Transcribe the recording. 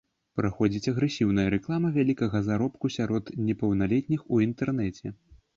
Праходзіць агрэсіўная рэклама вялікага заробку сярод непаўналетніх у інтэрнэце.